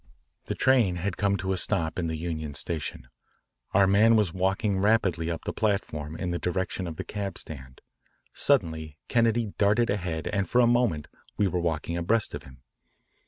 The train had come to a stop in the Union Station. Our man was walking rapidly up the platform in the direction of the cab stand. Suddenly Kennedy darted ahead and for a moment we were walking abreast of him.